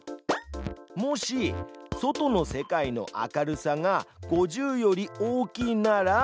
「もし『外の世界の明るさ』が５０より大きいなら」